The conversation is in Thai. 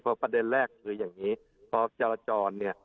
ประเด็นแรกคืออย่างนี้พอจรจรเนี่ย